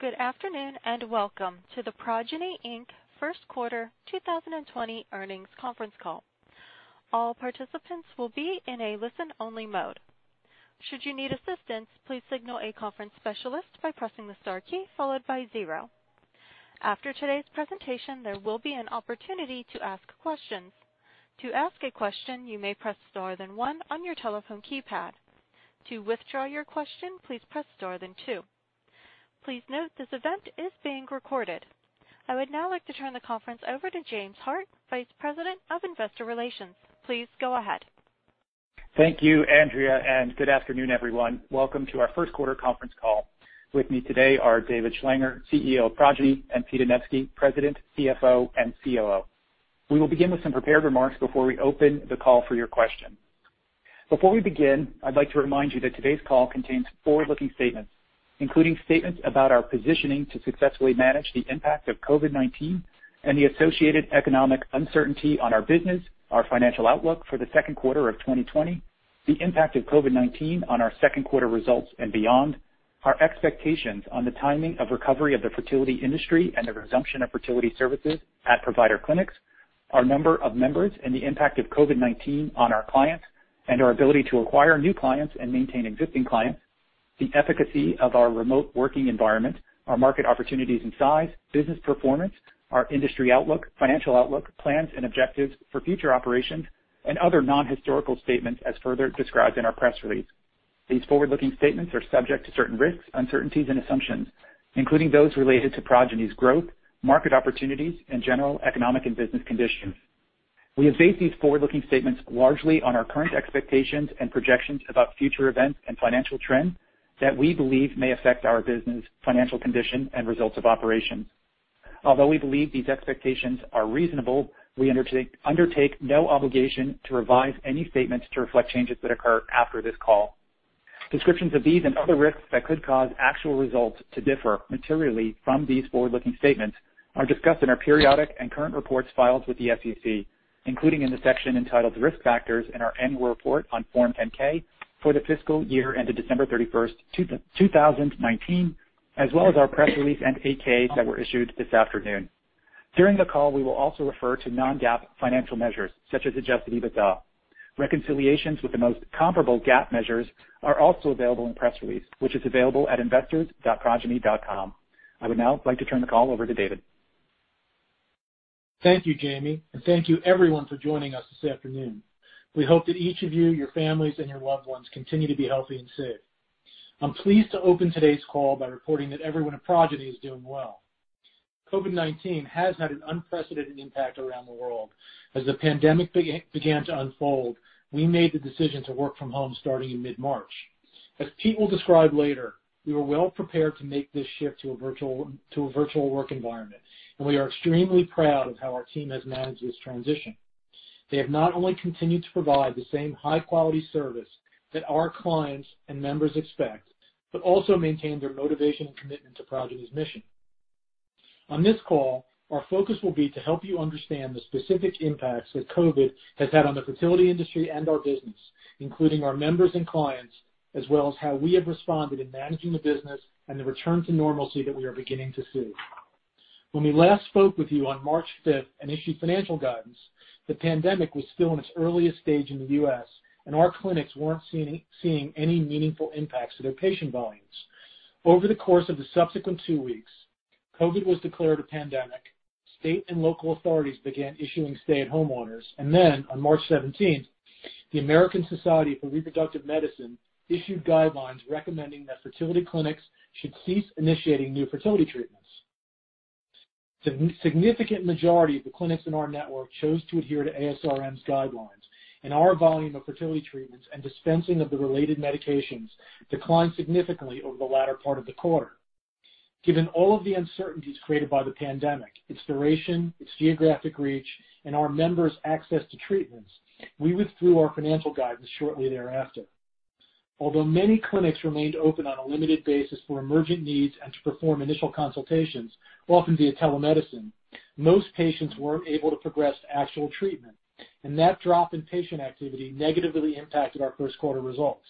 Good afternoon and welcome to the Progyny First Quarter 2020 Earnings Conference Call. All participants will be in a listen-only mode. Should you need assistance, please signal a conference specialist by pressing the star key followed by zero. After today's presentation, there will be an opportunity to ask questions. To ask a question, you may press star then one on your telephone keypad. To withdraw your question, please press star then two. Please note this event is being recorded. I would now like to turn the conference over to James Hart, Vice President of Investor Relations. Please go ahead. Thank you, Andrea, and good afternoon, everyone. Welcome to our First Quarter Conference Call. With me today are David Schlanger, CEO of Progyny, and Peter Anevski, President, CFO, and COO. We will begin with some prepared remarks before we open the call for your question. Before we begin, I'd like to remind you that today's call contains forward-looking statements, including statements about our positioning to successfully manage the impact of COVID-19 and the associated economic uncertainty on our business, our financial outlook for the second quarter of 2020, the impact of COVID-19 on our second quarter results and beyond, our expectations on the timing of recovery of the fertility industry and the resumption of fertility services at provider clinics, our number of members and the impact of COVID-19 on our clients and our ability to acquire new clients and maintain existing clients, the efficacy of our remote working environment, our market opportunities and size, business performance, our industry outlook, financial outlook, plans and objectives for future operations, and other non-historical statements as further described in our press release. These forward-looking statements are subject to certain risks, uncertainties, and assumptions, including those related to Progyny's growth, market opportunities, and general economic and business conditions. We have based these forward-looking statements largely on our current expectations and projections about future events and financial trends that we believe may affect our business, financial condition, and results of operations. Although we believe these expectations are reasonable, we undertake no obligation to revise any statements to reflect changes that occur after this call. Descriptions of these and other risks that could cause actual results to differ materially from these forward-looking statements are discussed in our periodic and current reports filed with the SEC, including in the section entitled Risk Factors in our annual report on Form 10-K for the fiscal year ended December 31, 2019, as well as our press release and AKs that were issued this afternoon. During the call, we will also refer to non-GAAP financial measures such as adjusted EBITDA. Reconciliations with the most comparable GAAP measures are also available in the press release, which is available at investors.progyny.com. I would now like to turn the call over to David. Thank you, Jamie, and thank you, everyone, for joining us this afternoon. We hope that each of you, your families, and your loved ones continue to be healthy and safe. I'm pleased to open today's call by reporting that everyone at Progyny is doing well. COVID-19 has had an unprecedented impact around the world. As the pandemic began to unfold, we made the decision to work from home starting in mid-March. As Pete will describe later, we were well prepared to make this shift to a virtual work environment, and we are extremely proud of how our team has managed this transition. They have not only continued to provide the same high-quality service that our clients and members expect but also maintained their motivation and commitment to Progyny's mission. On this call, our focus will be to help you understand the specific impacts that COVID has had on the fertility industry and our business, including our members and clients, as well as how we have responded in managing the business and the return to normalcy that we are beginning to see. When we last spoke with you on March 5th and issued financial guidance, the pandemic was still in its earliest stage in the U.S., and our clinics were not seeing any meaningful impacts to their patient volumes. Over the course of the subsequent two weeks, COVID was declared a pandemic, state and local authorities began issuing stay-at-home orders, and then, on March 17th, the American Society for Reproductive Medicine issued guidelines recommending that fertility clinics should cease initiating new fertility treatments. The significant majority of the clinics in our network chose to adhere to ASRM's guidelines, and our volume of fertility treatments and dispensing of the related medications declined significantly over the latter part of the quarter. Given all of the uncertainties created by the pandemic, its duration, its geographic reach, and our members' access to treatments, we withdrew our financial guidance shortly thereafter. Although many clinics remained open on a limited basis for emergent needs and to perform initial consultations, often via telemedicine, most patients were not able to progress to actual treatment, and that drop in patient activity negatively impacted our first quarter results.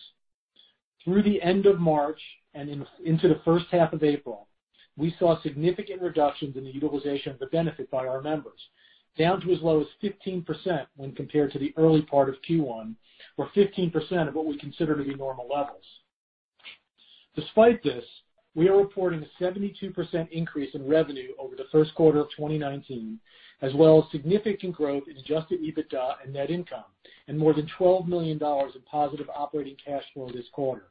Through the end of March and into the first half of April, we saw significant reductions in the utilization of the benefit by our members, down to as low as 15% when compared to the early part of Q1, or 15% of what we consider to be normal levels. Despite this, we are reporting a 72% increase in revenue over the first quarter of 2019, as well as significant growth in adjusted EBITDA and net income and more than $12 million in positive operating cash flow this quarter.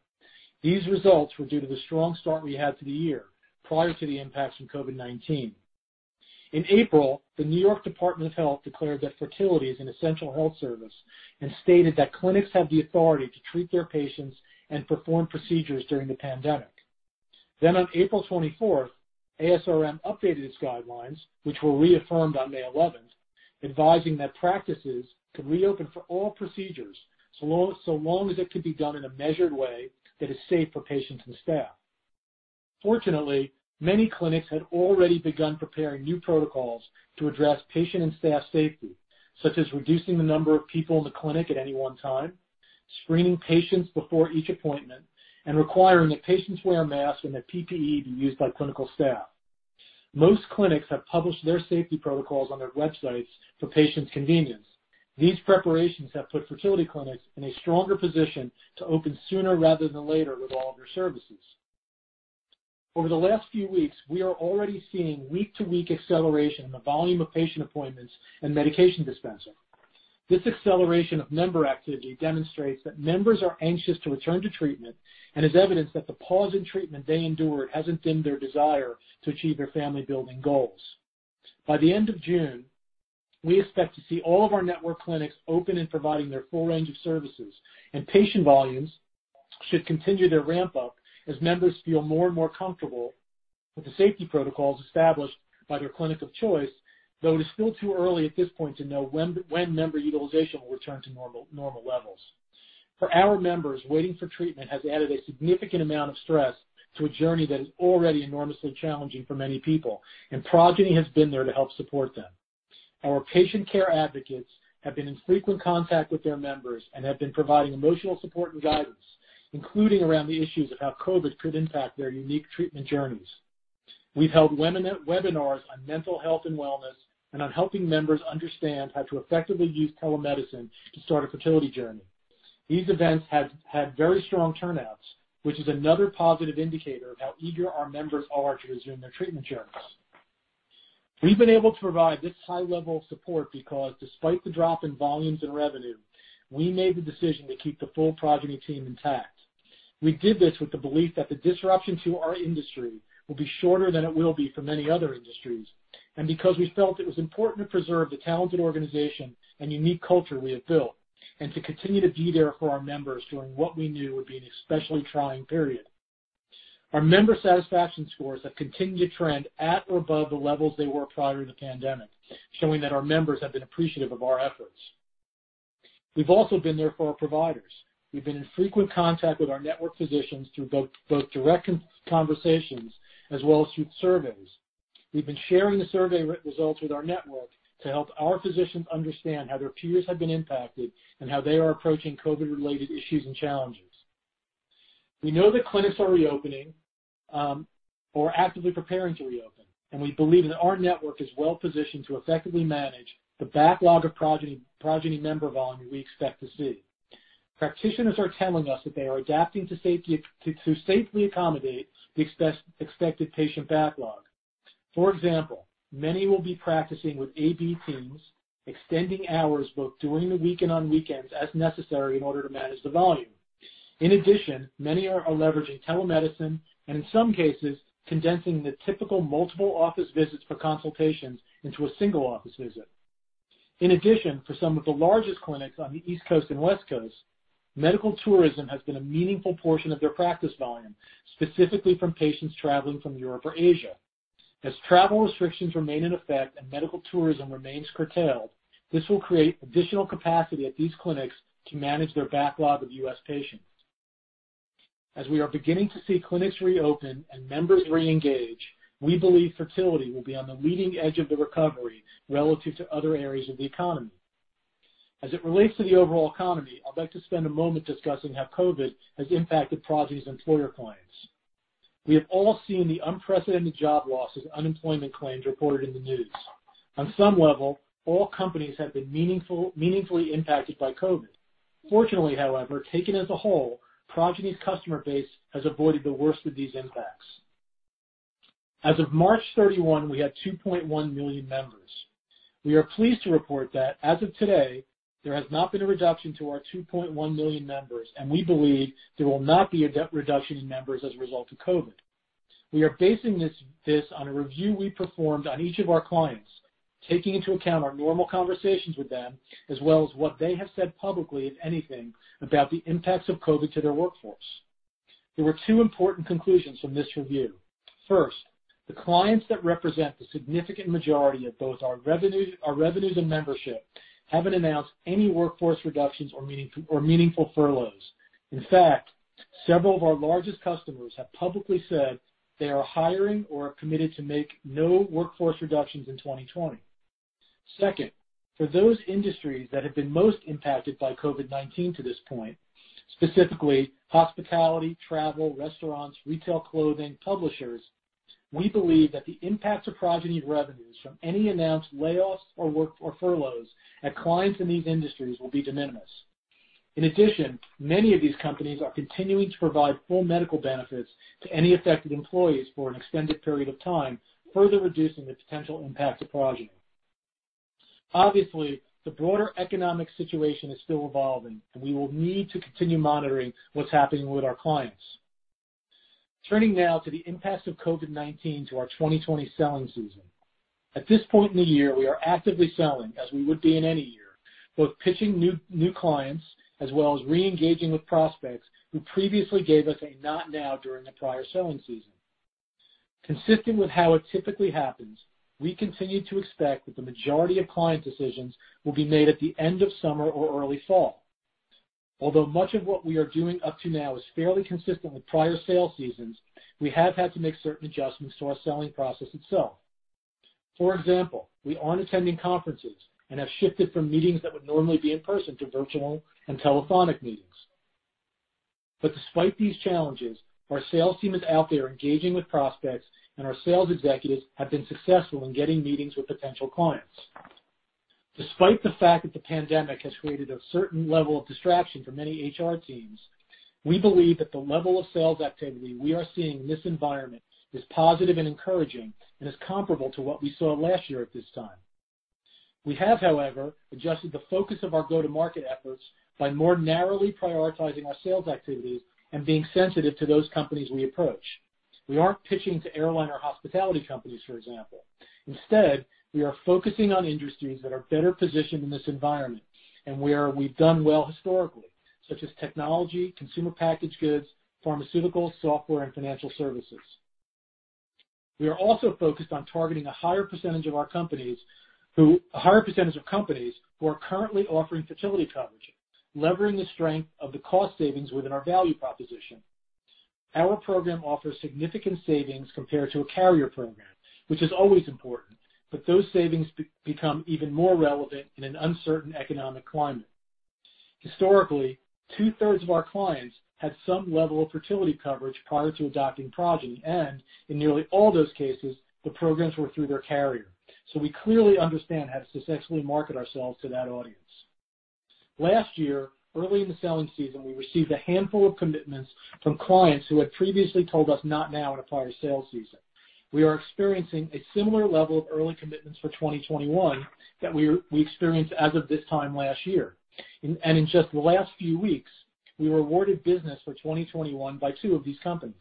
These results were due to the strong start we had to the year prior to the impacts from COVID-19. In April, the New York Department of Health declared that fertility is an essential health service and stated that clinics have the authority to treat their patients and perform procedures during the pandemic. On April 24th, ASRM updated its guidelines, which were reaffirmed on May 11th, advising that practices could reopen for all procedures so long as it could be done in a measured way that is safe for patients and staff. Fortunately, many clinics had already begun preparing new protocols to address patient and staff safety, such as reducing the number of people in the clinic at any one time, screening patients before each appointment, and requiring that patients wear masks and that PPE be used by clinical staff. Most clinics have published their safety protocols on their websites for patients' convenience. These preparations have put fertility clinics in a stronger position to open sooner rather than later with all of their services. Over the last few weeks, we are already seeing week-to-week acceleration in the volume of patient appointments and medication dispensing. This acceleration of member activity demonstrates that members are anxious to return to treatment and is evidence that the pause in treatment they endured has not dimmed their desire to achieve their family-building goals. By the end of June, we expect to see all of our network clinics open and providing their full range of services, and patient volumes should continue their ramp-up as members feel more and more comfortable with the safety protocols established by their clinic of choice, though it is still too early at this point to know when member utilization will return to normal levels. For our members, waiting for treatment has added a significant amount of stress to a journey that is already enormously challenging for many people, and Progyny has been there to help support them. Our patient care advocates have been in frequent contact with their members and have been providing emotional support and guidance, including around the issues of how COVID could impact their unique treatment journeys. We've held webinars on mental health and wellness and on helping members understand how to effectively use telemedicine to start a fertility journey. These events have had very strong turnouts, which is another positive indicator of how eager our members are to resume their treatment journeys. We've been able to provide this high level of support because, despite the drop in volumes and revenue, we made the decision to keep the full Progyny team intact. We did this with the belief that the disruption to our industry will be shorter than it will be for many other industries and because we felt it was important to preserve the talented organization and unique culture we have built and to continue to be there for our members during what we knew would be an especially trying period. Our member satisfaction scores have continued to trend at or above the levels they were prior to the pandemic, showing that our members have been appreciative of our efforts. We've also been there for our providers. We've been in frequent contact with our network physicians through both direct conversations as well as through surveys. We've been sharing the survey results with our network to help our physicians understand how their peers have been impacted and how they are approaching COVID-related issues and challenges. We know that clinics are reopening or actively preparing to reopen, and we believe that our network is well positioned to effectively manage the backlog of Progyny member volume we expect to see. Practitioners are telling us that they are adapting to safely accommodate the expected patient backlog. For example, many will be practicing with A/B teams, extending hours both during the week and on weekends as necessary in order to manage the volume. In addition, many are leveraging telemedicine and, in some cases, condensing the typical multiple office visits for consultations into a single office visit. In addition, for some of the largest clinics on the East Coast and West Coast, medical tourism has been a meaningful portion of their practice volume, specifically from patients traveling from Europe or Asia. As travel restrictions remain in effect and medical tourism remains curtailed, this will create additional capacity at these clinics to manage their backlog of U.S. patients. As we are beginning to see clinics reopen and members reengage, we believe fertility will be on the leading edge of the recovery relative to other areas of the economy. As it relates to the overall economy, I'd like to spend a moment discussing how COVID has impacted Progyny's employer clients. We have all seen the unprecedented job losses and unemployment claims reported in the news. On some level, all companies have been meaningfully impacted by COVID. Fortunately, however, taken as a whole, Progyny's customer base has avoided the worst of these impacts. As of March 31, we had 2.1 million members. We are pleased to report that, as of today, there has not been a reduction to our 2.1 million members, and we believe there will not be a reduction in members as a result of COVID. We are basing this on a review we performed on each of our clients, taking into account our normal conversations with them as well as what they have said publicly, if anything, about the impacts of COVID to their workforce. There were two important conclusions from this review. First, the clients that represent the significant majority of both our revenues and membership have not announced any workforce reductions or meaningful furloughs. In fact, several of our largest customers have publicly said they are hiring or are committed to make no workforce reductions in 2020. Second, for those industries that have been most impacted by COVID-19 to this point, specifically hospitality, travel, restaurants, retail clothing, and publishers, we believe that the impacts of Progyny's revenues from any announced layoffs or furloughs at clients in these industries will be de minimis. In addition, many of these companies are continuing to provide full medical benefits to any affected employees for an extended period of time, further reducing the potential impacts of Progyny. Obviously, the broader economic situation is still evolving, and we will need to continue monitoring what's happening with our clients. Turning now to the impacts of COVID-19 to our 2020 selling season. At this point in the year, we are actively selling as we would be in any year, both pitching new clients as well as reengaging with prospects who previously gave us a not now during the prior selling season. Consistent with how it typically happens, we continue to expect that the majority of client decisions will be made at the end of summer or early fall. Although much of what we are doing up to now is fairly consistent with prior sale seasons, we have had to make certain adjustments to our selling process itself. For example, we are not attending conferences and have shifted from meetings that would normally be in person to virtual and telephonic meetings. Despite these challenges, our sales team is out there engaging with prospects, and our sales executives have been successful in getting meetings with potential clients. Despite the fact that the pandemic has created a certain level of distraction for many HR teams, we believe that the level of sales activity we are seeing in this environment is positive and encouraging and is comparable to what we saw last year at this time. We have, however, adjusted the focus of our go-to-market efforts by more narrowly prioritizing our sales activities and being sensitive to those companies we approach. We aren't pitching to airline or hospitality companies, for example. Instead, we are focusing on industries that are better positioned in this environment and where we've done well historically, such as technology, consumer packaged goods, pharmaceuticals, software, and financial services. We are also focused on targeting a higher percentage of our companies who are currently offering fertility coverage, leveraging the strength of the cost savings within our value proposition. Our program offers significant savings compared to a carrier program, which is always important, but those savings become even more relevant in an uncertain economic climate. Historically, two-thirds of our clients had some level of fertility coverage prior to adopting Progyny, and in nearly all those cases, the programs were through their carrier. So we clearly understand how to successfully market ourselves to that audience. Last year, early in the selling season, we received a handful of commitments from clients who had previously told us not now in a prior sale season. We are experiencing a similar level of early commitments for 2021 that we experienced as of this time last year. In just the last few weeks, we rewarded business for 2021 by two of these companies.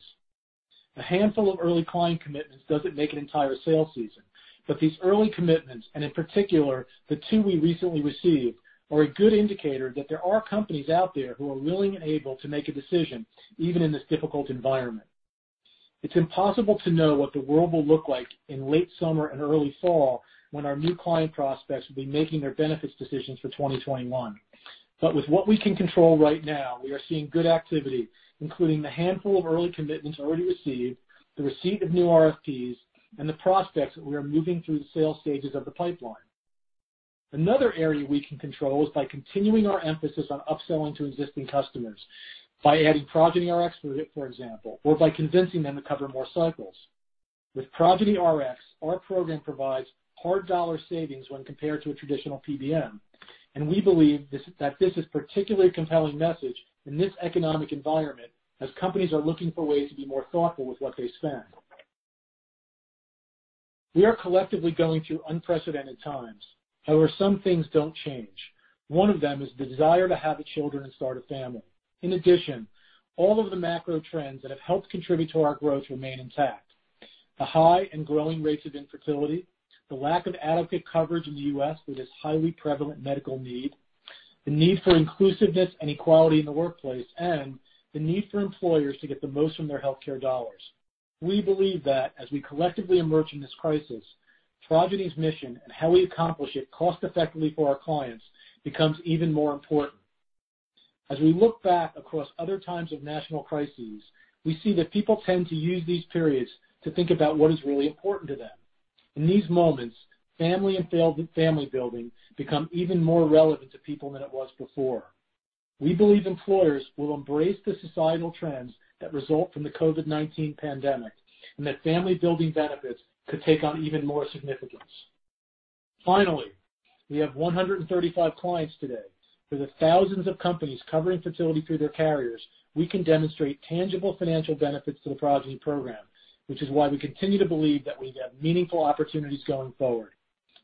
A handful of early client commitments does not make an entire sale season, but these early commitments, and in particular the two we recently received, are a good indicator that there are companies out there who are willing and able to make a decision even in this difficult environment. It is impossible to know what the world will look like in late summer and early fall when our new client prospects will be making their benefits decisions for 2021. With what we can control right now, we are seeing good activity, including the handful of early commitments already received, the receipt of new RFPs, and the prospects that we are moving through the sales stages of the pipeline. Another area we can control is by continuing our emphasis on upselling to existing customers, by adding, for example, or by convincing them to cover more cycles. With Progyny RX, our program provides hard-dollar savings when compared to a traditional PBM, and we believe that this is a particularly compelling message in this economic environment as companies are looking for ways to be more thoughtful with what they spend. We are collectively going through unprecedented times. However, some things do not change. One of them is the desire to have children and start a family. In addition, all of the macro trends that have helped contribute to our growth remain intact: the high and growing rates of infertility, the lack of adequate coverage in the U.S. for this highly prevalent medical need, the need for inclusiveness and equality in the workplace, and the need for employers to get the most from their healthcare dollars. We believe that as we collectively emerge from this crisis, Progyny's mission and how we accomplish it cost-effectively for our clients becomes even more important. As we look back across other times of national crises, we see that people tend to use these periods to think about what is really important to them. In these moments, family and family building become even more relevant to people than it was before. We believe employers will embrace the societal trends that result from the COVID-19 pandemic and that family-building benefits could take on even more significance. Finally, we have 135 clients today. With the thousands of companies covering fertility through their carriers, we can demonstrate tangible financial benefits to the Progyny program, which is why we continue to believe that we have meaningful opportunities going forward.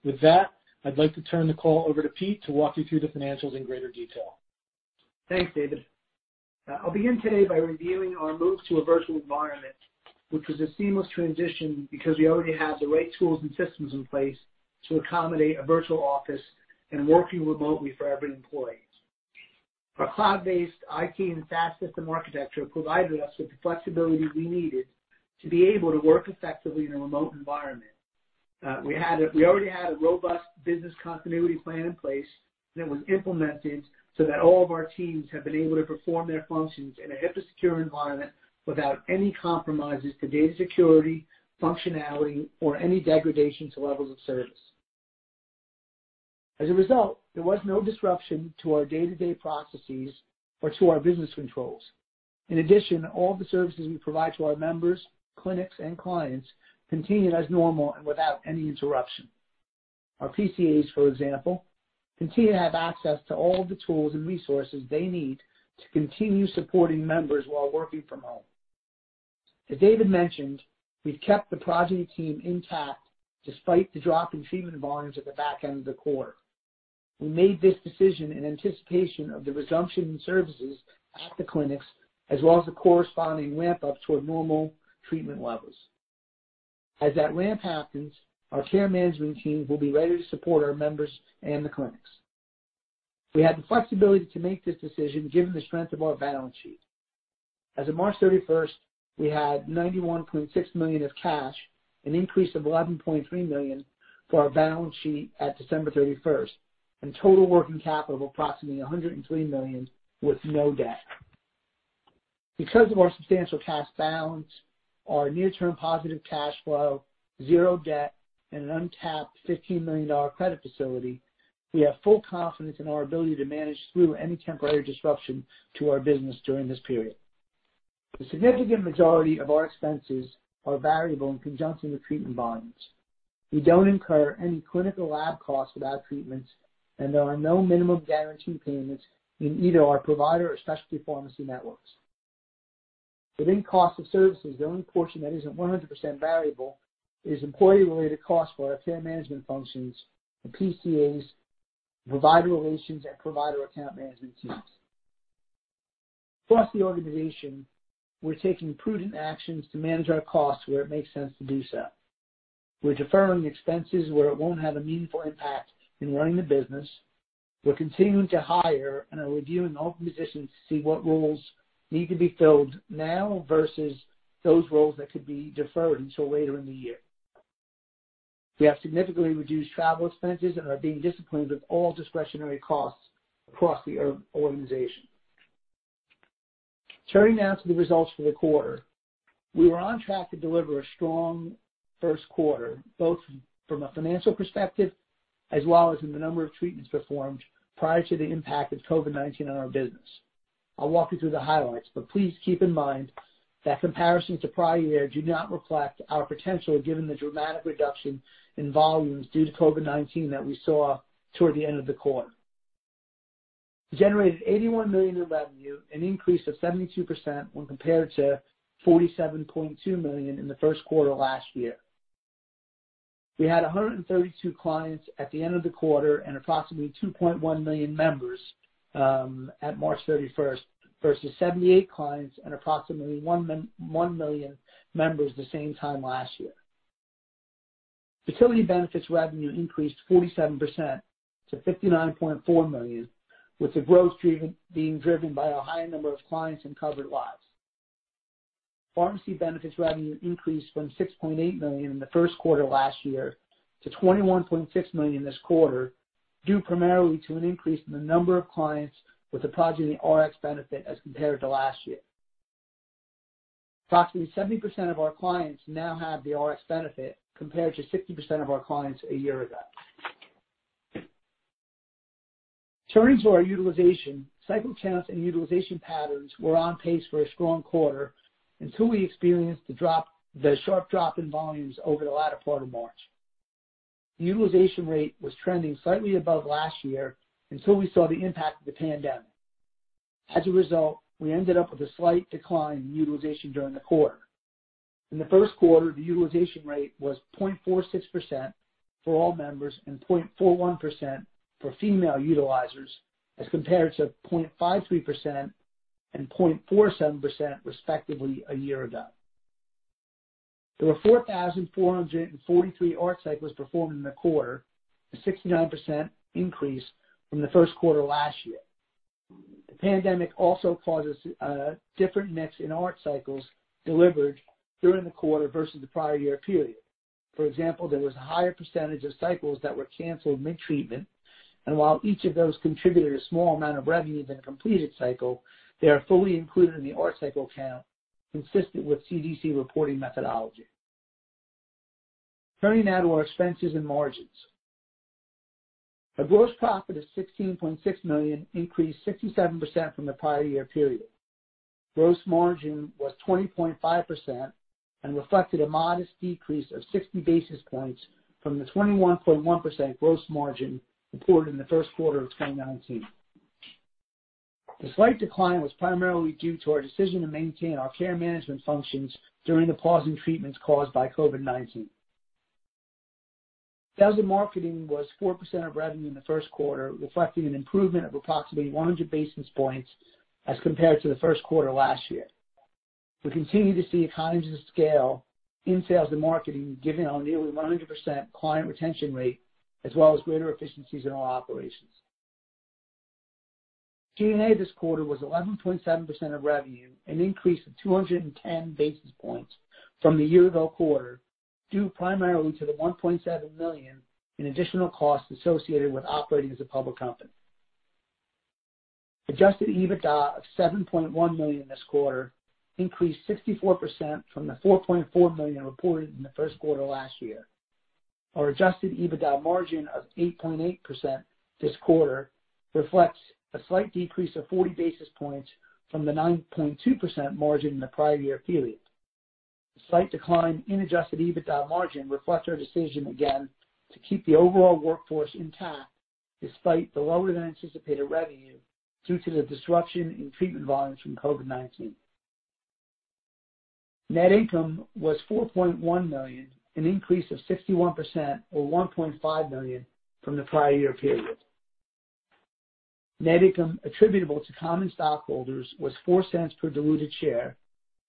With that, I'd like to turn the call over to Pete to walk you through the financials in greater detail. Thanks, David. I'll begin today by reviewing our move to a virtual environment, which was a seamless transition because we already had the right tools and systems in place to accommodate a virtual office and working remotely for every employee. Our cloud-based IT and SaaS system architecture provided us with the flexibility we needed to be able to work effectively in a remote environment. We already had a robust business continuity plan in place, and it was implemented so that all of our teams have been able to perform their functions in a HIPAA-secure environment without any compromises to data security, functionality, or any degradation to levels of service. As a result, there was no disruption to our day-to-day processes or to our business controls. In addition, all of the services we provide to our members, clinics, and clients continued as normal and without any interruption. Our PCAs, for example, continue to have access to all of the tools and resources they need to continue supporting members while working from home. As David mentioned, we've kept the Progyny team intact despite the drop in treatment volumes at the back end of the quarter. We made this decision in anticipation of the resumption in services at the clinics as well as the corresponding ramp-up toward normal treatment levels. As that ramp happens, our care management team will be ready to support our members and the clinics. We had the flexibility to make this decision given the strength of our balance sheet. As of March 31, we had $91.6 million of cash, an increase of $11.3 million from our balance sheet at December 31, and total working capital of approximately $103 million with no debt. Because of our substantial cash balance, our near-term positive cash flow, zero debt, and an untapped $15 million credit facility, we have full confidence in our ability to manage through any temporary disruption to our business during this period. The significant majority of our expenses are variable in conjunction with treatment volumes. We do not incur any clinical lab costs without treatments, and there are no minimum guarantee payments in either our provider or specialty pharmacy networks. Within cost of services, the only portion that is not 100% variable is employee-related costs for our care management functions, the PCAs, provider relations, and provider account management teams. Across the organization, we are taking prudent actions to manage our costs where it makes sense to do so. We are deferring expenses where it will not have a meaningful impact in running the business. We're continuing to hire and are reviewing all positions to see what roles need to be filled now versus those roles that could be deferred until later in the year. We have significantly reduced travel expenses and are being disciplined with all discretionary costs across the organization. Turning now to the results for the quarter, we were on track to deliver a strong first quarter, both from a financial perspective as well as in the number of treatments performed prior to the impact of COVID-19 on our business. I'll walk you through the highlights, but please keep in mind that comparisons to prior year do not reflect our potential given the dramatic reduction in volumes due to COVID-19 that we saw toward the end of the quarter. We generated $81 million in revenue, an increase of 72% when compared to $47.2 million in the first quarter last year. We had 132 clients at the end of the quarter and approximately 2.1 million members at March 31 versus 78 clients and approximately 1 million members the same time last year. Fertility benefits revenue increased 47% to $59.4 million, with the growth being driven by a high number of clients and covered lives. Pharmacy benefits revenue increased from $6.8 million in the first quarter last year to $21.6 million this quarter due primarily to an increase in the number of clients with the Progyny RX benefit as compared to last year. Approximately 70% of our clients now have the RX benefit compared to 60% of our clients a year ago. Turning to our utilization, cycle counts and utilization patterns were on pace for a strong quarter until we experienced the sharp drop in volumes over the latter part of March. The utilization rate was trending slightly above last year until we saw the impact of the pandemic. As a result, we ended up with a slight decline in utilization during the quarter. In the first quarter, the utilization rate was 0.46% for all members and 0.41% for female utilizers as compared to 0.53% and 0.47% respectively a year ago. There were 4,443 ART cycles performed in the quarter, a 69% increase from the first quarter last year. The pandemic also caused a different mix in ART cycles delivered during the quarter versus the prior year period. For example, there was a higher percentage of cycles that were canceled mid-treatment, and while each of those contributed a small amount of revenue to the completed cycle, they are fully included in the ART cycle count consistent with CDC reporting methodology. Turning now to our expenses and margins. Our gross profit of $16.6 million increased 67% from the prior year period. Gross margin was 20.5% and reflected a modest decrease of 60 basis points from the 21.1% gross margin reported in the first quarter of 2019. The slight decline was primarily due to our decision to maintain our care management functions during the pause in treatments caused by COVID-19. Sales and marketing was 4% of revenue in the first quarter, reflecting an improvement of approximately 100 basis points as compared to the first quarter last year. We continue to see economies of scale in sales and marketing given our nearly 100% client retention rate as well as greater efficiencies in our operations. G&A this quarter was 11.7% of revenue, an increase of 210 basis points from the year-ago quarter due primarily to the $1.7 million in additional costs associated with operating as a public company. Adjusted EBITDA of $7.1 million this quarter increased 64% from the $4.4 million reported in the first quarter last year. Our adjusted EBITDA margin of 8.8% this quarter reflects a slight decrease of 40 basis points from the 9.2% margin in the prior year period. A slight decline in adjusted EBITDA margin reflects our decision again to keep the overall workforce intact despite the lower-than-anticipated revenue due to the disruption in treatment volumes from COVID-19. Net income was $4.1 million, an increase of 61% or $1.5 million from the prior year period. Net income attributable to common stockholders was $0.04 per diluted share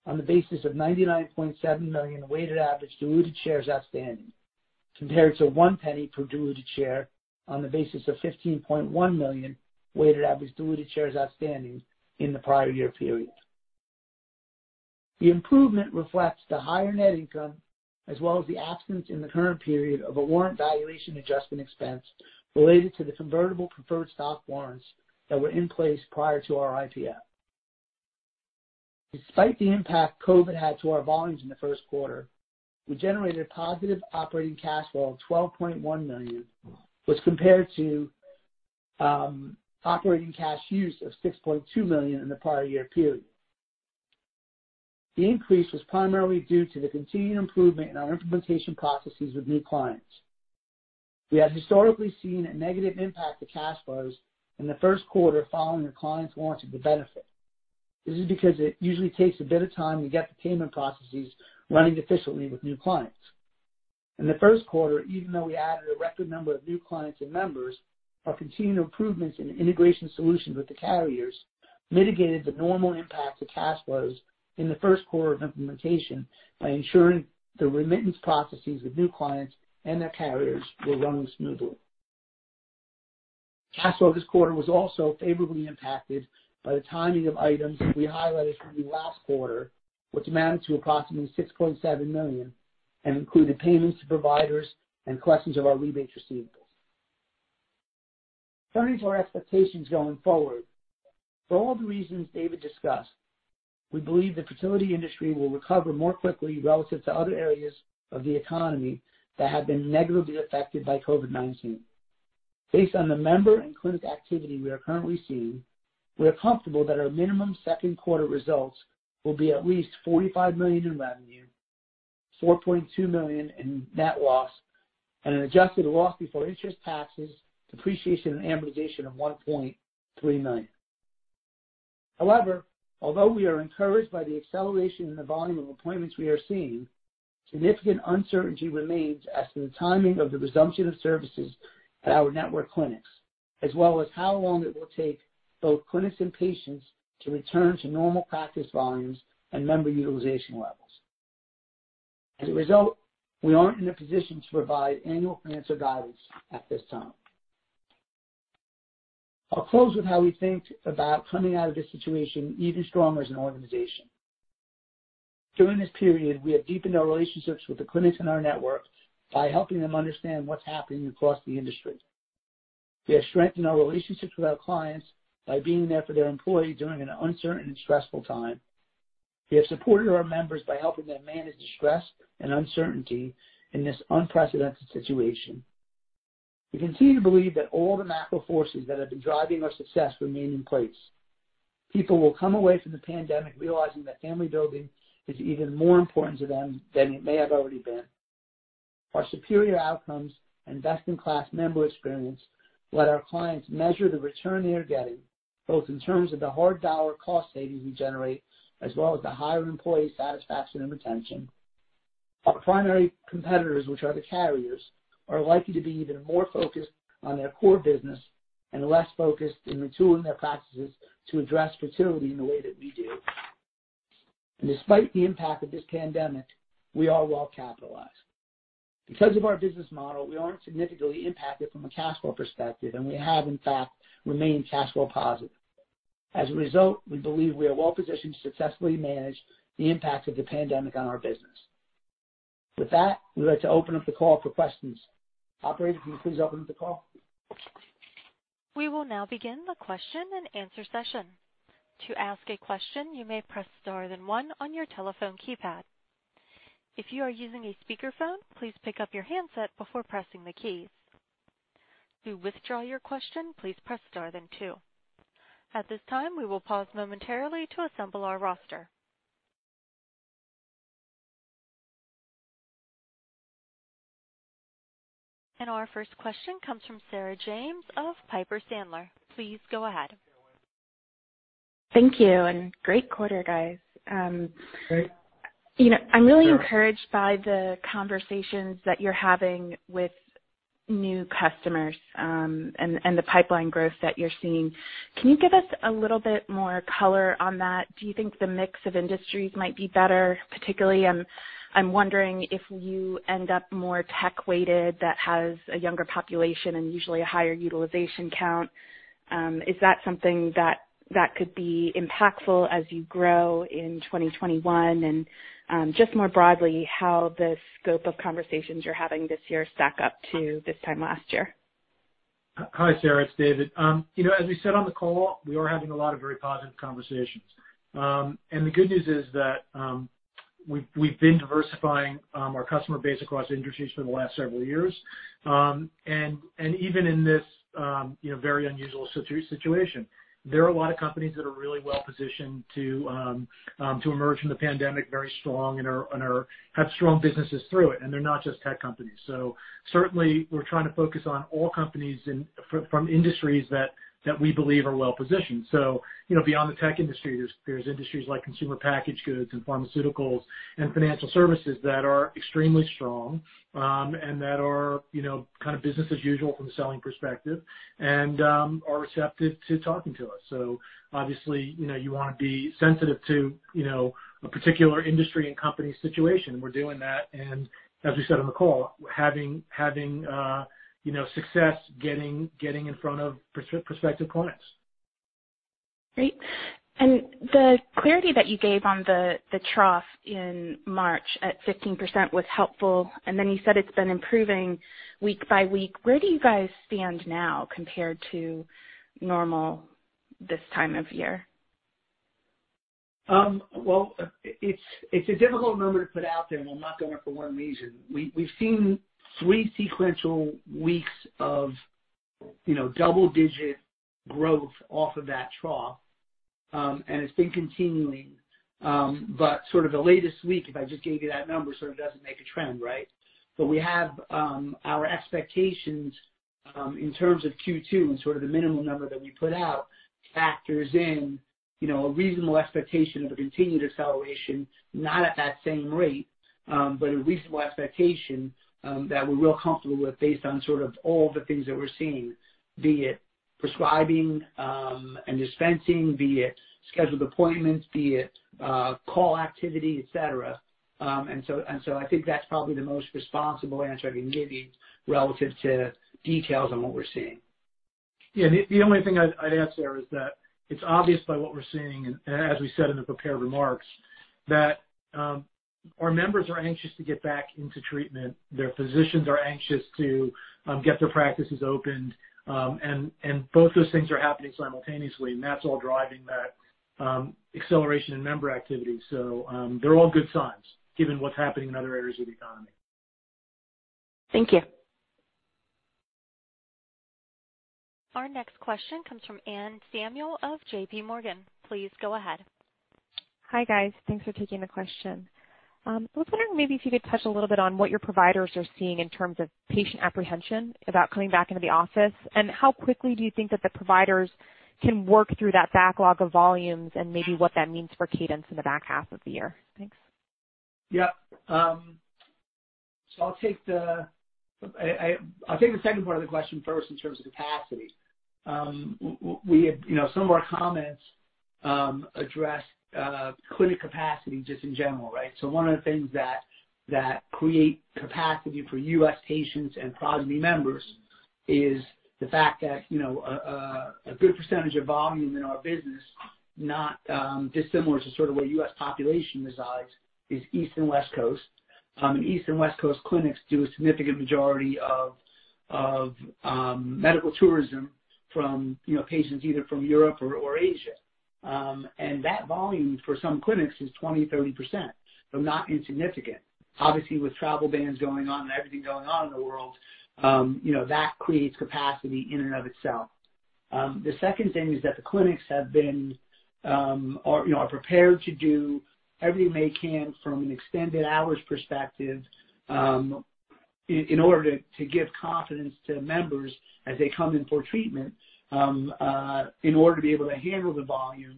on the basis of 99.7 million weighted average diluted shares outstanding compared to $0.01 per diluted share on the basis of 15.1 million weighted average diluted shares outstanding in the prior year period. The improvement reflects the higher net income as well as the absence in the current period of a warrant valuation adjustment expense related to the convertible preferred stock warrants that were in place prior to our IPO. Despite the impact COVID had to our volumes in the first quarter, we generated a positive operating cash flow of $12.1 million, which compared to operating cash used of $6.2 million in the prior year period. The increase was primarily due to the continued improvement in our implementation processes with new clients. We have historically seen a negative impact of cash flows in the first quarter following a client's warranty of the benefit. This is because it usually takes a bit of time to get the payment processes running efficiently with new clients. In the first quarter, even though we added a record number of new clients and members, our continued improvements in integration solutions with the carriers mitigated the normal impact of cash flows in the first quarter of implementation by ensuring the remittance processes with new clients and their carriers were running smoothly. Cash flow this quarter was also favorably impacted by the timing of items we highlighted from the last quarter, which amounted to approximately $6.7 million and included payments to providers and collections of our rebate receivables. Turning to our expectations going forward, for all the reasons David discussed, we believe the fertility industry will recover more quickly relative to other areas of the economy that have been negatively affected by COVID-19. Based on the member and clinic activity we are currently seeing, we are comfortable that our minimum second quarter results will be at least $45 million in revenue, $4.2 million in net loss, and an adjusted loss before interest, taxes, depreciation, and amortization of $1.3 million. However, although we are encouraged by the acceleration in the volume of appointments we are seeing, significant uncertainty remains as to the timing of the resumption of services at our network clinics, as well as how long it will take both clinics and patients to return to normal practice volumes and member utilization levels. As a result, we aren't in a position to provide annual financial guidance at this time. I'll close with how we think about coming out of this situation even stronger as an organization. During this period, we have deepened our relationships with the clinics in our network by helping them understand what's happening across the industry. We have strengthened our relationships with our clients by being there for their employees during an uncertain and stressful time. We have supported our members by helping them manage the stress and uncertainty in this unprecedented situation. We continue to believe that all the macro forces that have been driving our success remain in place. People will come away from the pandemic realizing that family building is even more important to them than it may have already been. Our superior outcomes and best-in-class member experience let our clients measure the return they are getting, both in terms of the hard-dollar cost savings we generate as well as the higher employee satisfaction and retention. Our primary competitors, which are the carriers, are likely to be even more focused on their core business and less focused in retooling their practices to address fertility in the way that we do. Despite the impact of this pandemic, we are well-capitalized. Because of our business model, we are not significantly impacted from a cash flow perspective, and we have, in fact, remained cash flow positive. As a result, we believe we are well-positioned to successfully manage the impact of the pandemic on our business. With that, we would like to open up the call for questions. Operator, can you please open up the call? We will now begin the question-and-answer session. To ask a question, you may press star then one on your telephone keypad. If you are using a speakerphone, please pick up your handset before pressing the keys. To withdraw your question, please press star then two. At this time, we will pause momentarily to assemble our roster. Our first question comes from Sarah James of Piper Sandler. Please go ahead. Thank you. Great quarter, guys. I'm really encouraged by the conversations that you're having with new customers and the pipeline growth that you're seeing. Can you give us a little bit more color on that? Do you think the mix of industries might be better? Particularly, I'm wondering if you end up more tech-weighted that has a younger population and usually a higher utilization count. Is that something that could be impactful as you grow in 2021? Just more broadly, how the scope of conversations you're having this year stack up to this time last year? Hi, Sarah. It's David. As we said on the call, we are having a lot of very positive conversations. The good news is that we've been diversifying our customer base across industries for the last several years. Even in this very unusual situation, there are a lot of companies that are really well-positioned to emerge from the pandemic very strong and have strong businesses through it. They're not just tech companies. Certainly, we're trying to focus on all companies from industries that we believe are well-positioned. Beyond the tech industry, there's industries like consumer packaged goods and pharmaceuticals and financial services that are extremely strong and that are kind of business as usual from the selling perspective and are receptive to talking to us. Obviously, you want to be sensitive to a particular industry and company situation. We're doing that. As we said on the call, having success, getting in front of prospective clients. Great. The clarity that you gave on the trough in March at 15% was helpful. You said it's been improving week by week. Where do you guys stand now compared to normal this time of year? It's a difficult number to put out there, and I'm not going to for one reason. We've seen three sequential weeks of double-digit growth off of that trough, and it's been continuing. The latest week, if I just gave you that number, doesn't make a trend, right? We have our expectations in terms of Q2 and the minimum number that we put out factors in a reasonable expectation of a continued acceleration, not at that same rate, but a reasonable expectation that we're real comfortable with based on all the things that we're seeing, be it prescribing and dispensing, be it scheduled appointments, be it call activity, etc. I think that's probably the most responsible answer I can give you relative to details on what we're seeing. Yeah. The only thing I'd add, Sarah, is that it's obvious by what we're seeing, as we said in the prepared remarks, that our members are anxious to get back into treatment. Their physicians are anxious to get their practices opened. Both those things are happening simultaneously, and that's all driving that acceleration in member activity. They're all good signs given what's happening in other areas of the economy. Thank you. Our next question comes from Anne Samuel of J.P. Morgan. Please go ahead. Hi, guys. Thanks for taking the question. I was wondering maybe if you could touch a little bit on what your providers are seeing in terms of patient apprehension about coming back into the office, and how quickly do you think that the providers can work through that backlog of volumes and maybe what that means for cadence in the back half of the year? Thanks. Yeah. I'll take the second part of the question first in terms of capacity. Some of our comments address clinic capacity just in general, right? One of the things that create capacity for US patients and probably members is the fact that a good percentage of volume in our business, not dissimilar to sort of where US population resides, is East and West Coast. East and West Coast clinics do a significant majority of medical tourism from patients either from Europe or Asia. That volume for some clinics is 20-30%, so not insignificant. Obviously, with travel bans going on and everything going on in the world, that creates capacity in and of itself. The second thing is that the clinics have been or are prepared to do everything they can from an extended hours perspective in order to give confidence to members as they come in for treatment in order to be able to handle the volume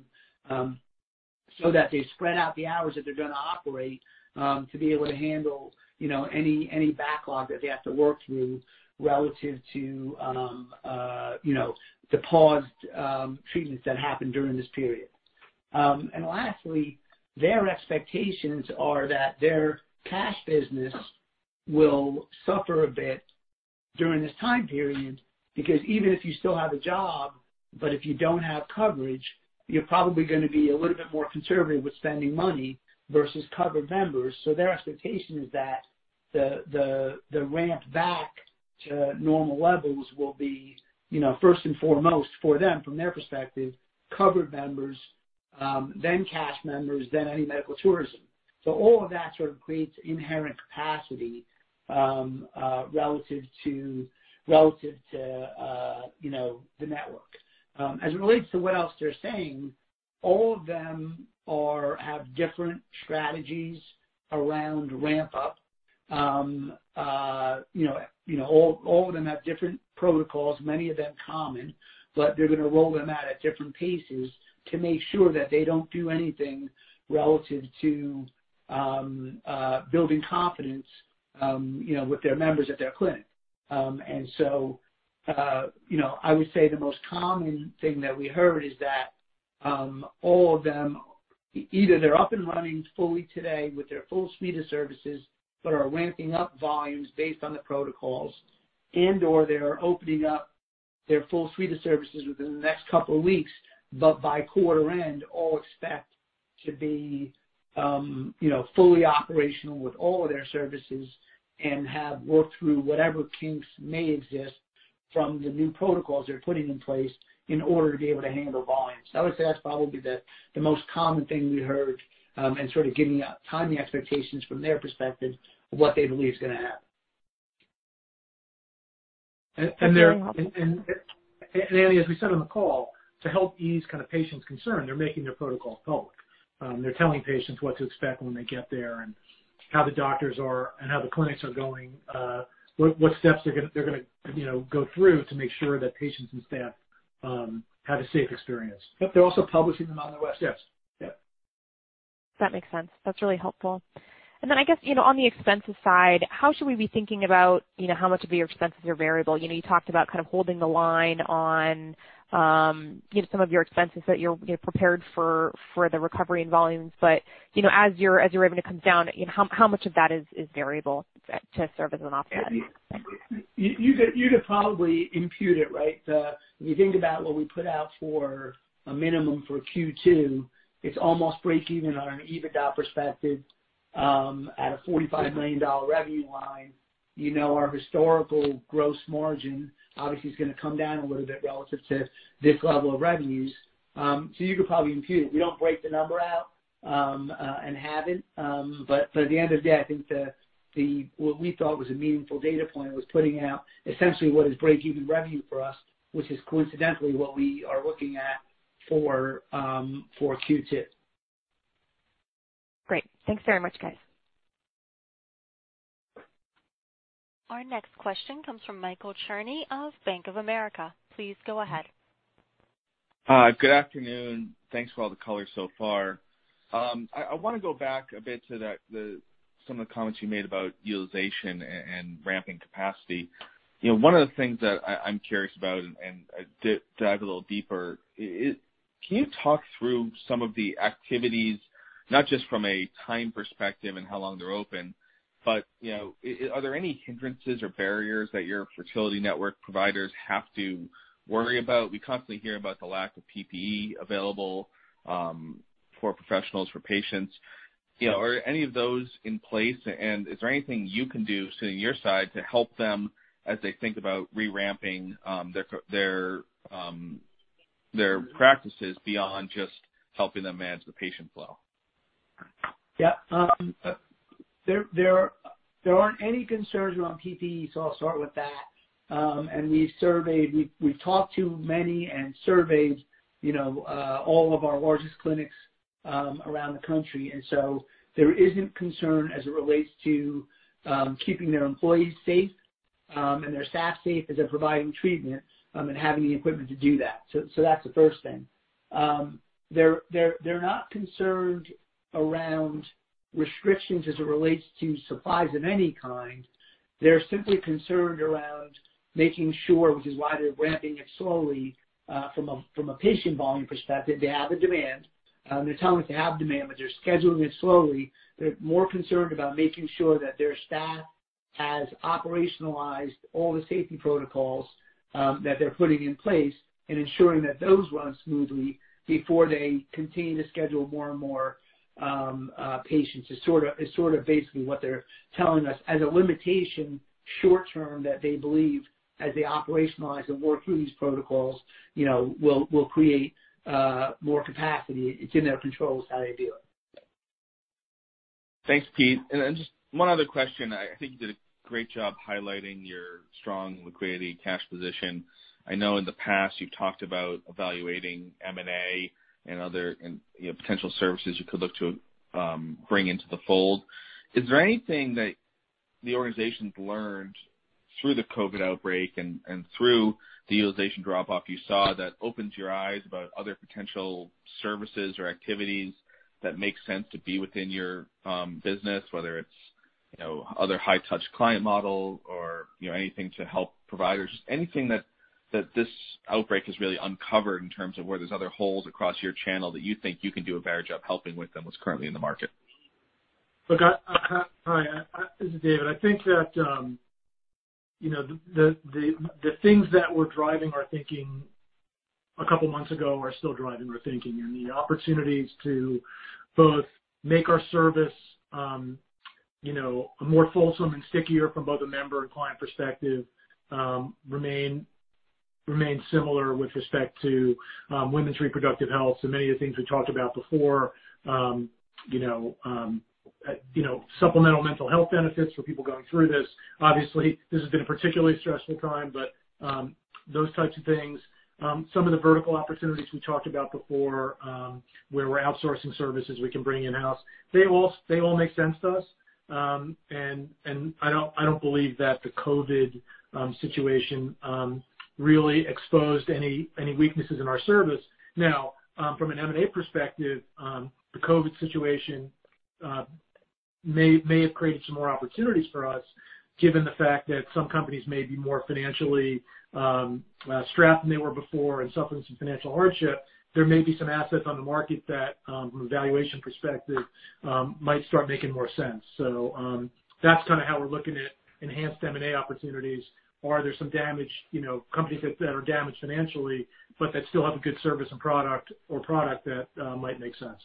so that they spread out the hours that they're going to operate to be able to handle any backlog that they have to work through relative to the paused treatments that happened during this period. Lastly, their expectations are that their cash business will suffer a bit during this time period because even if you still have a job, but if you don't have coverage, you're probably going to be a little bit more conservative with spending money versus covered members. Their expectation is that the ramp back to normal levels will be, first and foremost, for them, from their perspective, covered members, then cash members, then any medical tourism. All of that sort of creates inherent capacity relative to the network. As it relates to what else they're saying, all of them have different strategies around ramp-up. All of them have different protocols, many of them common, but they're going to roll them out at different paces to make sure that they do not do anything relative to building confidence with their members at their clinic. I would say the most common thing that we heard is that all of them, either they're up and running fully today with their full suite of services but are ramping up volumes based on the protocols, and/or they're opening up their full suite of services within the next couple of weeks. By quarter end, all expect to be fully operational with all of their services and have worked through whatever kinks may exist from the new protocols they're putting in place in order to be able to handle volumes. I would say that's probably the most common thing we heard and sort of timing expectations from their perspective of what they believe is going to happen. Very helpful. As we said on the call, to help ease kind of patients' concern, they're making their protocols public. They're telling patients what to expect when they get there and how the doctors are and how the clinics are going, what steps they're going to go through to make sure that patients and staff have a safe experience. Yep. They're also publishing them on the website. Yes. Yep. That makes sense. That's really helpful. I guess on the expenses side, how should we be thinking about how much of your expenses are variable? You talked about kind of holding the line on some of your expenses that you're prepared for the recovery and volumes. As your revenue comes down, how much of that is variable to serve as an offset? You could probably impute it, right? If you think about what we put out for a minimum for Q2, it's almost break-even on an EBITDA perspective at a $45 million revenue line. Our historical gross margin obviously is going to come down a little bit relative to this level of revenues. You could probably impute it. We don't break the number out and have it. At the end of the day, I think what we thought was a meaningful data point was putting out essentially what is break-even revenue for us, which is coincidentally what we are looking at for Q2. Great. Thanks very much, guys. Our next question comes from Michael Cherny of Bank of America. Please go ahead. Good afternoon. Thanks for all the colors so far. I want to go back a bit to some of the comments you made about utilization and ramping capacity. One of the things that I'm curious about and dive a little deeper, can you talk through some of the activities, not just from a time perspective and how long they're open, but are there any hindrances or barriers that your fertility network providers have to worry about? We constantly hear about the lack of PPE available for professionals, for patients. Are any of those in place? Is there anything you can do, sitting on your side, to help them as they think about re-ramping their practices beyond just helping them manage the patient flow? Yeah. There aren't any concerns around PPE, so I'll start with that. We've talked to many and surveyed all of our largest clinics around the country. There isn't concern as it relates to keeping their employees safe and their staff safe as they're providing treatment and having the equipment to do that. That's the first thing. They're not concerned around restrictions as it relates to supplies of any kind. They're simply concerned around making sure, which is why they're ramping it slowly from a patient volume perspective. They have a demand. They're telling us they have demand, but they're scheduling it slowly. They're more concerned about making sure that their staff has operationalized all the safety protocols that they're putting in place and ensuring that those run smoothly before they continue to schedule more and more patients. It's sort of basically what they're telling us as a limitation short-term that they believe as they operationalize and work through these protocols will create more capacity. It's in their controls how they do it. Thanks, Pete. Just one other question. I think you did a great job highlighting your strong liquidity cash position. I know in the past you've talked about evaluating M&A and other potential services you could look to bring into the fold. Is there anything that the organization's learned through the COVID outbreak and through the utilization drop-off you saw that opens your eyes about other potential services or activities that make sense to be within your business, whether it's other high-touch client models or anything to help providers? Just anything that this outbreak has really uncovered in terms of where there's other holes across your channel that you think you can do a better job helping with than what's currently in the market? Hi. This is David. I think that the things that were driving our thinking a couple of months ago are still driving our thinking. The opportunities to both make our service more fulsome and stickier from both a member and client perspective remain similar with respect to women's reproductive health. Many of the things we talked about before, supplemental mental health benefits for people going through this. Obviously, this has been a particularly stressful time, but those types of things. Some of the vertical opportunities we talked about before where we're outsourcing services we can bring in-house, they all make sense to us. I don't believe that the COVID situation really exposed any weaknesses in our service. Now, from an M&A perspective, the COVID situation may have created some more opportunities for us given the fact that some companies may be more financially strapped than they were before and suffering some financial hardship. There may be some assets on the market that, from a valuation perspective, might start making more sense. That is kind of how we're looking at enhanced M&A opportunities. Are there some companies that are damaged financially but that still have a good service and product or product that might make sense?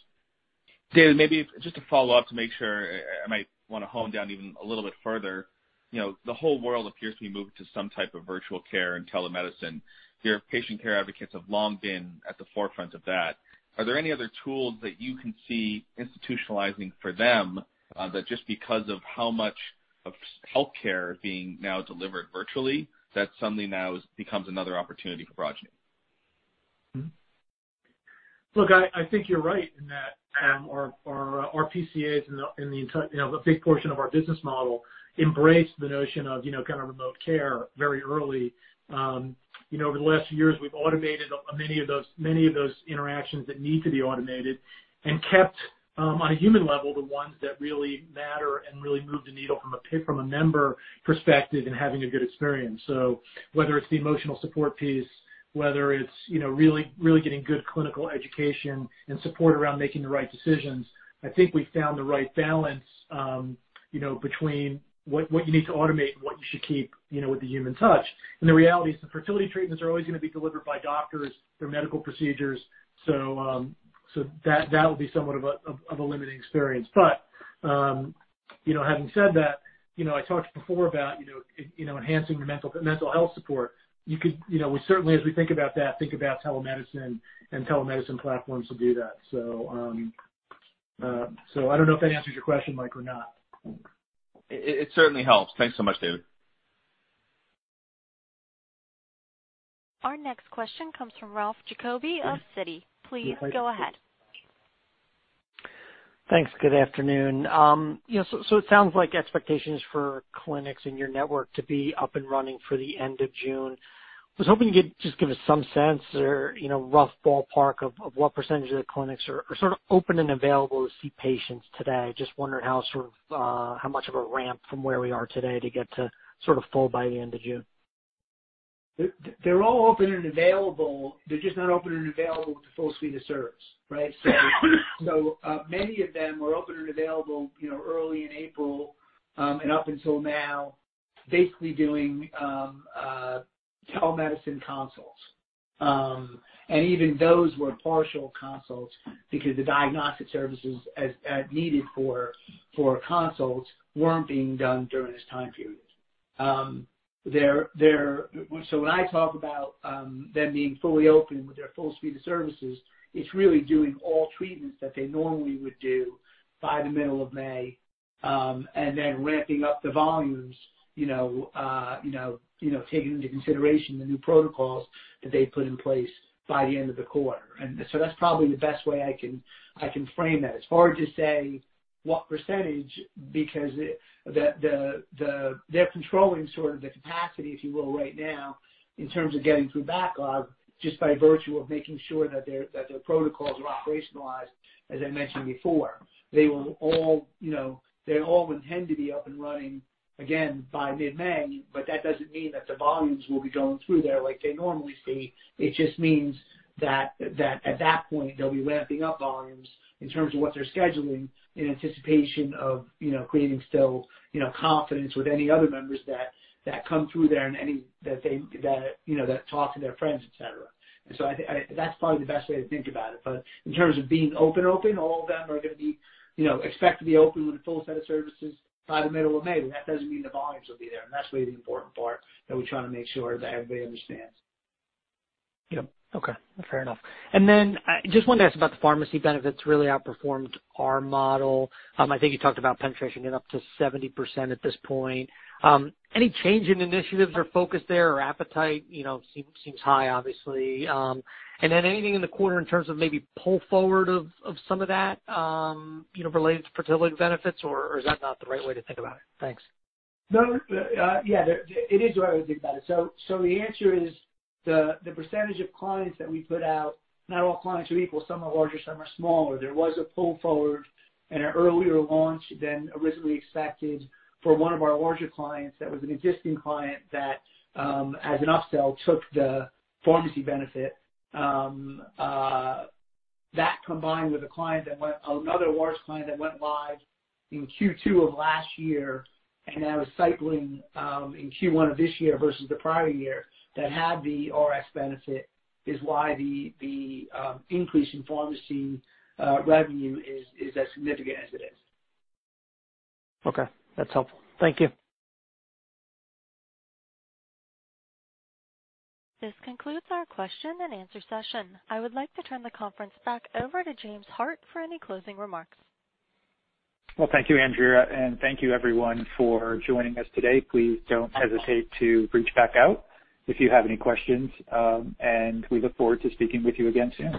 David, maybe just to follow up to make sure I might want to hone down even a little bit further. The whole world appears to be moving to some type of virtual care and telemedicine. Your patient care advocates have long been at the forefront of that. Are there any other tools that you can see institutionalizing for them that just because of how much of healthcare is being now delivered virtually, that suddenly now becomes another opportunity for broadening? Look, I think you're right in that our PCAs and a big portion of our business model embrace the notion of kind of remote care very early. Over the last few years, we've automated many of those interactions that need to be automated and kept, on a human level, the ones that really matter and really move the needle from a member perspective and having a good experience. Whether it's the emotional support piece, whether it's really getting good clinical education and support around making the right decisions, I think we found the right balance between what you need to automate and what you should keep with the human touch. The reality is the fertility treatments are always going to be delivered by doctors. They're medical procedures. That will be somewhat of a limiting experience. Having said that, I talked before about enhancing mental health support. We certainly, as we think about that, think about telemedicine and telemedicine platforms to do that. I don't know if that answers your question, Mike, or not. It certainly helps. Thanks so much, David. Our next question comes from Ralph Giaconacoby of Citigroup. Please go ahead. Thanks. Good afternoon. It sounds like expectations for clinics in your network to be up and running for the end of June. I was hoping you could just give us some sense or rough ballpark of what percentage of the clinics are sort of open and available to see patients today. Just wondering how much of a ramp from where we are today to get to sort of full by the end of June. They're all open and available. They're just not open and available with the full suite of service, right? Many of them were open and available early in April and up until now, basically doing telemedicine consults. Even those were partial consults because the diagnostic services needed for consults weren't being done during this time period. When I talk about them being fully open with their full suite of services, it's really doing all treatments that they normally would do by the middle of May and then ramping up the volumes, taking into consideration the new protocols that they've put in place by the end of the quarter. That's probably the best way I can frame that. It's hard to say what % because they're controlling sort of the capacity, if you will, right now in terms of getting through backlog just by virtue of making sure that their protocols are operationalized, as I mentioned before. They all intend to be up and running again by mid-May, but that doesn't mean that the volumes will be going through there like they normally see. It just means that at that point, they'll be ramping up volumes in terms of what they're scheduling in anticipation of creating still confidence with any other members that come through there and that talk to their friends, etc. That's probably the best way to think about it. In terms of being open, open, all of them are going to be expected to be open with a full set of services by the middle of May. That does not mean the volumes will be there. That is really the important part that we are trying to make sure that everybody understands. Yep. Okay. Fair enough. I just wanted to ask about the pharmacy benefits really outperformed our model. I think you talked about penetration getting up to 70% at this point. Any change in initiatives or focus there? Our appetite seems high, obviously. Anything in the quarter in terms of maybe pull forward of some of that related to fertility benefits, or is that not the right way to think about it? Thanks. No. Yeah. It is the right way to think about it. The answer is the percentage of clients that we put out, not all clients are equal. Some are larger, some are smaller. There was a pull forward and an earlier launch than originally expected for one of our larger clients that was an existing client that, as an upsell, took the pharmacy benefit. That combined with another large client that went live in Q2 of last year and now is cycling in Q1 of this year versus the prior year that had the Rx benefit is why the increase in pharmacy revenue is as significant as it is. Okay. That's helpful. Thank you. This concludes our question and answer session. I would like to turn the conference back over to James Hart for any closing remarks. Thank you, Andrea. Thank you, everyone, for joining us today. Please do not hesitate to reach back out if you have any questions. We look forward to speaking with you again soon.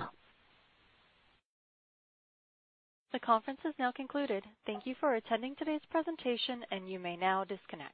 The conference is now concluded. Thank you for attending today's presentation, and you may now disconnect.